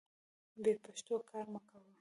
بې پښتو کار مه کوه.